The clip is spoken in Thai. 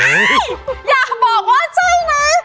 อย่าบอกว่าใช่นะ